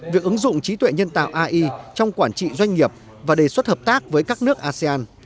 việc ứng dụng trí tuệ nhân tạo ai trong quản trị doanh nghiệp và đề xuất hợp tác với các nước asean